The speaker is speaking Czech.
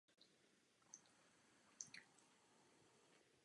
Po celou dobu vykazovala stejný čas příchodu a odchodu z práce.